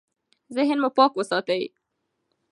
ذهن مو پاک وساتئ.